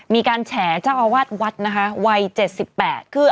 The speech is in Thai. เมื่อ